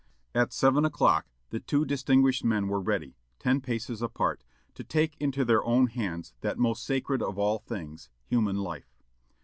At seven o'clock the two distinguished men were ready, ten paces apart, to take into their own hands that most sacred of all things, human life.